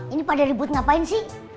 ini pada ribut ngapain sih